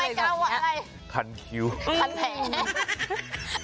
ทางจะว่าอะไรคันีหิวคันแผล